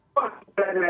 nah gak apa apa